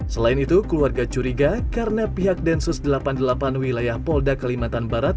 selain itu keluarga curiga karena pihak densus delapan puluh delapan wilayah polda kalimantan barat